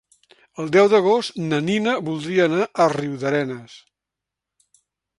El deu d'agost na Nina voldria anar a Riudarenes.